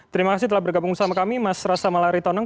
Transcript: terima kasih telah bergabung bersama kami mas rasa malari tonang